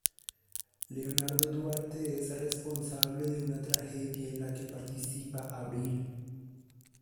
Leonardo Duarte es responsable de una tragedia en la que participa Abril.